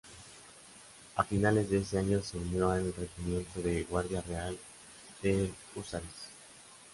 A finales de ese año se unió al Regimiento de Guardia Real de Húsares.